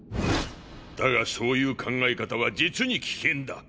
だがそういう考え方は実に危険だ。